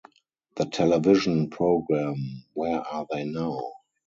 The television programme Where Are They Now?